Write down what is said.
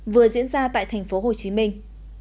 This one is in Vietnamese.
vừa diễn ra tại thành phố hồ chí minh